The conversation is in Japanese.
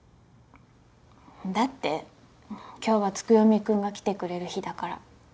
だって今日は月読くんが来てくれる日だから。